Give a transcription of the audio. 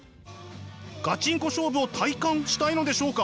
ガチンコ勝負を体感したいのでしょうか？